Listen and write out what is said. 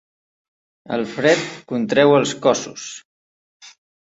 El fred contreu els cossos.